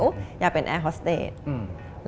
อยากเป็นแอร์ฮอสเตจ